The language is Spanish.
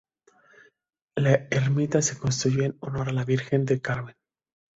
La Ermita se construyó en honor a la Virgen del Carmen.